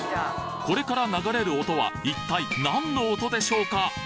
これから流れる音は一体なんの音でしょうか？